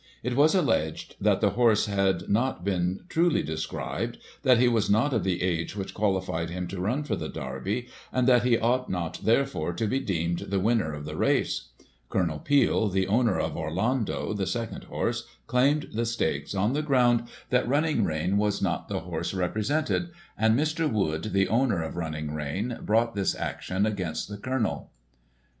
It was alleged that the horse had not been truly described, that he was not of the age which qualified him to run for the Derby, and that he ought not, therefore, to be deemed the winner of the race, Colonel Peel, the owner of Orlando, the second horse, claimed the stakes, on the ground that Running Rein was not the horse represented; and Mr. Wood, the owner of Running Rein, brought this action against the Colonel.